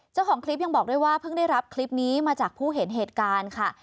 เจ้าของคลิปยังบอกด้วยว่าเพิ่งได้รับคลิปนี้มาจากผู้เห็นเหตุการณ์ค่ะ